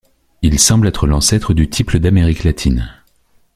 Il semble être l'ancêtre du tiple d'Amérique Latine.